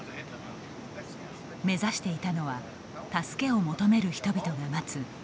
目指していたのは、助けを求める人々が待つ